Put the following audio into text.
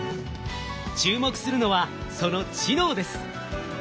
注目するのはその知能です。